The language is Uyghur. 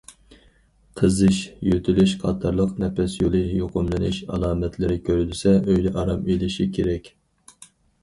قىزىش، يۆتىلىش قاتارلىق نەپەس يولى يۇقۇملىنىش ئالامەتلىرى كۆرۈلسە، ئۆيدە ئارام ئېلىشى كېرەك.